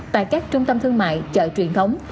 tại các trung tâm thương mại chợ truyền thống